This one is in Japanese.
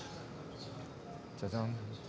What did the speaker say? じゃじゃん。